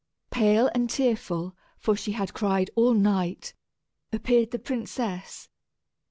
Pale and tearful, for she had cried all night, appeared the princess.